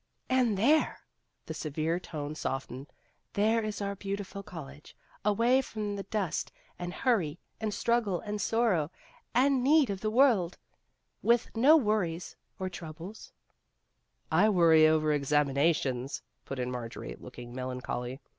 " And there," the severe tones softened, " there is our beautiful college, away from the dust and hurry and struggle and sorrow and need of the world, with no worries or troubles " I worry over examinations," put in Marjorie, looking melancholy.